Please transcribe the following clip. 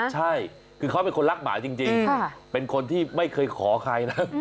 ใช่คือเขาเป็นคนรักหมาจริงเป็นคนที่ไม่เคยขอใครนะ